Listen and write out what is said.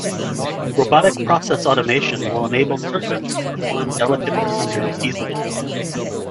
Robotic process automation will enable surgeons to perform delicate procedures easily.